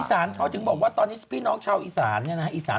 อีสานเขาถึงบอกว่าตอนนี้พี่น้องชาวอีสานเนี่ยนะฮะอีสาน